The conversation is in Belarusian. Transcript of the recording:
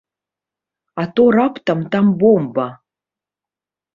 А то раптам там бомба!